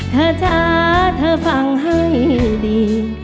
ช้าเธอฟังให้ดี